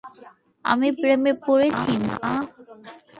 আমি প্রেমে পড়েছি, মা।